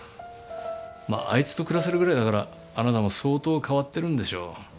まああいつと暮らせるぐらいだからあなたも相当変わってるんでしょう。